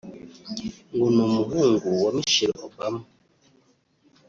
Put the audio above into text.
ngo ni umuhungu wa Michelle Obama